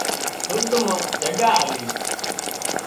سرڳ مان جڳا آلي